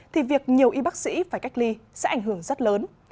thì việc nhiều y bác sĩ phải cách ly sẽ ảnh hưởng rất lớn